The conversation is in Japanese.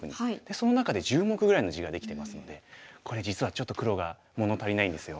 その中で１０目ぐらいの地ができてますのでこれ実はちょっと黒が物足りないんですよ。